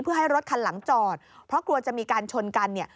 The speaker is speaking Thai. เพื่อให้รถคันหลังจอดเพราะกลัวจะมีการชนกันเนี่ย